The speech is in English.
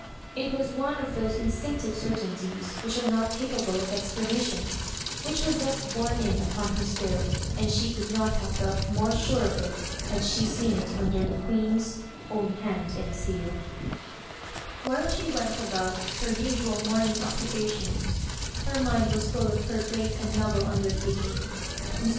It was one of those instinctive certainties which are not capable of explanation, which was thus borne in upon her spirit, and she could not have fblt more sure of it had she seen it under the Queen's own hand and seal While she went about her usual mommg occupations, her mind was full of her great and novel under taking. Mr.